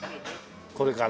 これから。